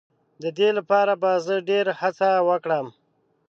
د دې لپاره به زه ډېر هڅه وکړم.